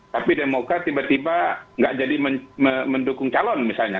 tapi demokrat tiba tiba nggak jadi mendukung calon misalnya